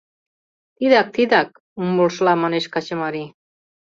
— Тидак, тидак... — умылышыла манеш качымарий.